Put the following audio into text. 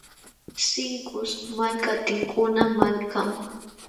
Sinkus malka tinkuna malkam.